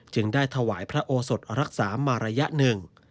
ได้ถวายพระโอสดรักษามาระยะหนึ่ง